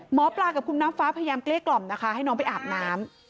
หมอปลากับคุณน้ำฟ้าพยายามเกลี้ยกล่อมนะคะให้น้องไปอาบน้ำ